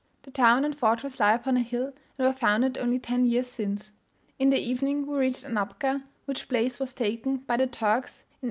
The town and fortress lie upon a hill, and were founded only ten years since. In the evening, we reached Anapka, which place was taken by the Turks in 1829.